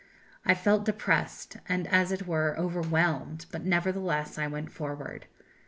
I felt depressed, and as it were, overwhelmed, but, nevertheless, I went forward.